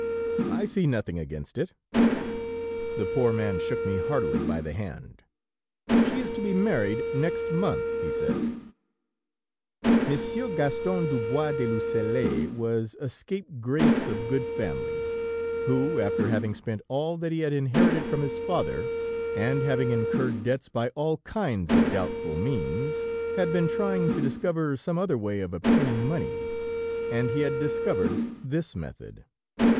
I see nothing against it.' "The poor man shook me heartily by the hand. "'She is to be married next month,' he said." "Monsieur Gaston du Boys de Lucelles was a scape grace of good family, who, after having spent all that he had inherited from his father, and having incurred debts by all kinds of doubtful means, had been trying to discover some other way of obtaining money, and he had discovered this method.